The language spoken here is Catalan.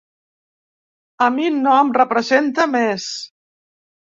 A mi no em representa més.